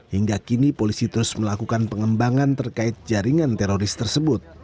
hingga kini polisi terus melakukan pengembangan terkait jaringan teroris tersebut